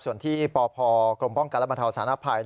ส่วนที่ปพกลมป้องการบรรถบรรถาสารภัย